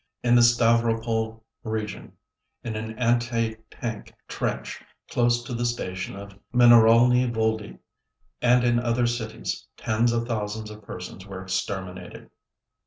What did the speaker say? In the Stavropol region in an anti tank trench close to the station of Mineralny Vody, and in other cities, tens of thousands of persons were exterminated.